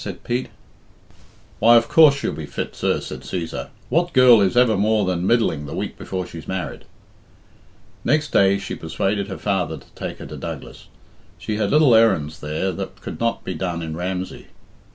said Pete. "Why, of course she'll be fit, sir," said Cæsar. "What girl is ever more than middling the week before she's married?" Next day she persuaded her father to take her to Douglas. She had little errands there that could not be done in Ramsey.